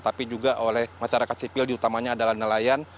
tapi juga oleh masyarakat sipil diutamanya adalah nelayan